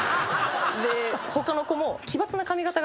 で他の子も。